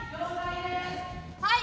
はい。